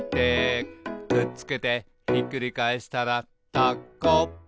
「くっつけてひっくり返したらタコ」